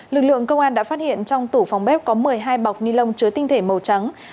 lực lượng công an đã phát hiện trong tủ phòng bếp có một mươi hai bọc ni lông chứa tinh thể màu trắng